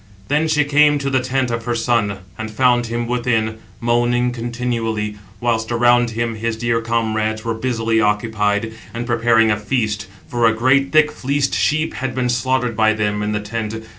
Then she came to the tent of her son, and found him within, moaning continually, whilst around him his dear comrades were busily occupied, and prepared a feast, for a great thick fleeced sheep had been slaughtered by them in the tent.